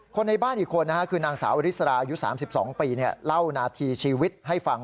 คนในบ้านอีกคนคือนางสาวอริสราอายุ๓๒ปีเล่านาทีชีวิตให้ฟัง